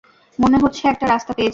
মনে হচ্ছে একটা রাস্তা পেয়েছি।